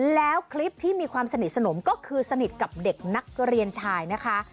แล้วคลิปที่มีความสนิทสนมก็คือสนิทกับเด็กนักเรียนชายนะคะ